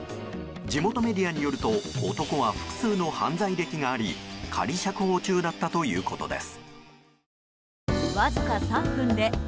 地元メディアによると男は複数の犯罪歴があり仮釈放中だったということです。